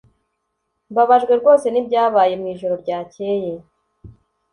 Mbabajwe rwose nibyabaye mwijoro ryakeye